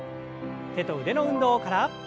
手と腕の運動から。